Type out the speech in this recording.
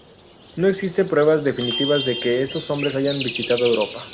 No existen pruebas definitivas de que estos hombres hayan visitado Europa.